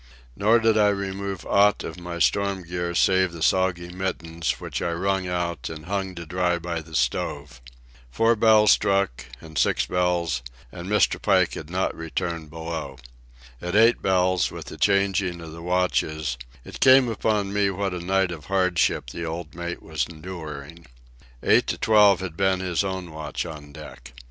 Nor did I remove aught of my storm gear save the soggy mittens, which I wrung out and hung to dry by the stove. Four bells struck, and six bells, and Mr. Pike had not returned below. At eight bells, with the changing of the watches, it came upon me what a night of hardship the old mate was enduring. Eight to twelve had been his own watch on deck.